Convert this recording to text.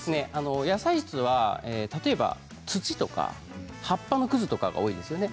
野菜室は例えば土とか葉っぱのくずとかが多いんですよね。